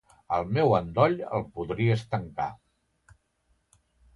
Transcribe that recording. El meu endoll el podries tancar.